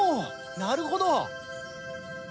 なるほど！